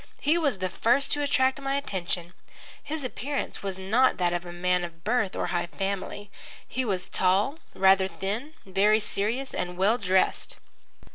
He was the first to attract my attention. His appearance was not that of a man of birth or high family. He was tall, rather thin, very serious, and well dressed.